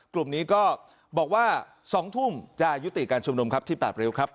กลุ่มนี้ก็บอกว่า๒ทุ่มจะยุติการชุมนุมครับที่๘ริ้วครับ